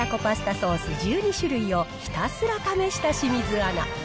ソース１２種類を、ひたすら試した清水アナ。